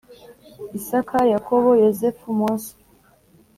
Isaka Yakobo Yozefu Mose